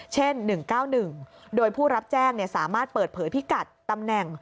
เช่น๑๙๑โดยผู้รับแจ้งสามารถเปิดเผยพิกัดตำแหน่ง